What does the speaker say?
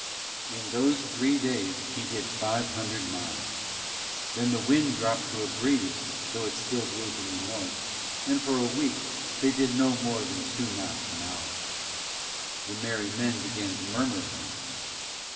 In those three days he did five hundred miles; then the wind dropped to a breeze though it still blew from the North, and for a week they did no more than two knots an hour. The merry men began to murmur then.